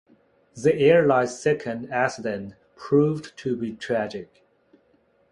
The airline's second accident proved to be tragic.